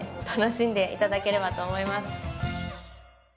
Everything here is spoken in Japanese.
楽しんでいただければと思います。